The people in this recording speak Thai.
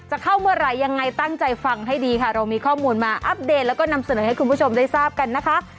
เข้าเมื่อไหร่ยังไงตั้งใจฟังให้ดีค่ะเรามีข้อมูลมาอัปเดตแล้วก็นำเสนอให้คุณผู้ชมได้ทราบกันนะคะ